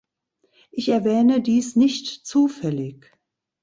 Ich erwähne dies nicht zufällig.